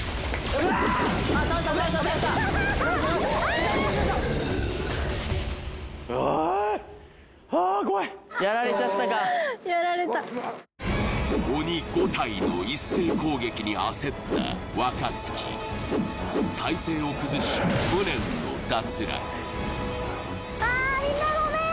うわやられちゃったかやられた鬼５体の一斉攻撃に焦った若槻体勢を崩し無念の脱落ああみんなごめん！